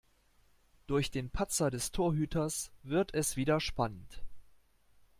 Durch den Patzer des Torhüters wird es wieder spannend.